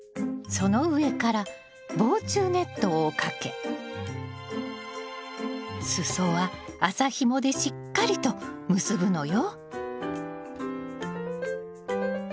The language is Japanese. その上から防虫ネットをかけ裾は麻ひもでしっかりと結ぶのよ。